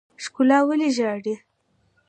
ښکلا ولې ژاړي.